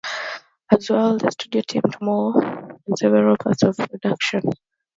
As well, the studio teamed Moore with Fritzi Brunette in several of its productions.